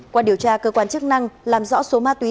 qua điều tra cơ quan chức năng làm rõ số ma túy